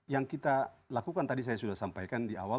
yang kita lakukan tadi saya sudah sampaikan di awal